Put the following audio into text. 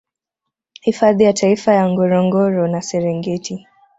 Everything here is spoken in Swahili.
Hifadhi ya Taifa ya Ngorongoro na Serengeti